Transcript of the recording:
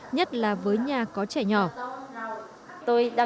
nhất là với nhà khóa